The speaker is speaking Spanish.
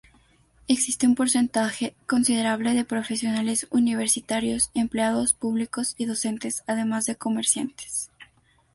Existen un porcentaje considerable de profesionales universitarios, empleados públicos y docentes, además de comerciantes.